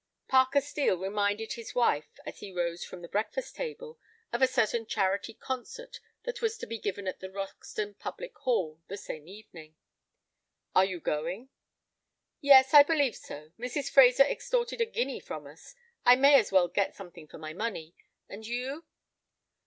Parker Steel reminded his wife, as he rose from the breakfast table, of a certain charity concert that was to be given at the Roxton public hall the same evening. "Are you going?" "Yes, I believe so; Mrs. Fraser extorted a guinea from us; I may as well get something for my money. And you?"